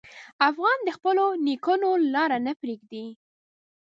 افغان د خپلو نیکونو لار نه پرېږدي.